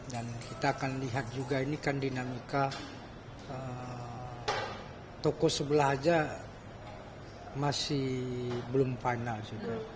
dan kita akan lihat juga ini kan dinamika toko sebelah aja masih belum final juga